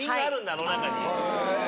あの中に。